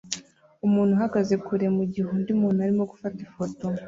Umuntu ahagaze kure mugihe undi muntu arimo gufata ifoto